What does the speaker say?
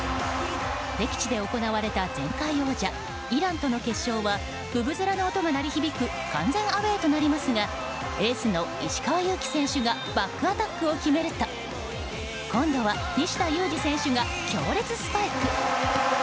敵地で行われた前回王者イランとの決勝はブブゼラの音が鳴り響く完全アウェーとなりますがエースの石川祐希選手がバックアタックを決めると今度は西田有志選手が強烈スパイク！